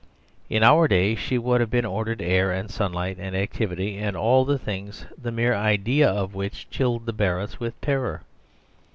In our day she would have been ordered air and sunlight and activity, and all the things the mere idea of which chilled the Barretts with terror.